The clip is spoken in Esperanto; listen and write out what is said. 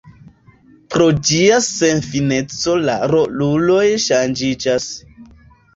Pro ĝia senfineco la roluloj ŝanĝiĝas.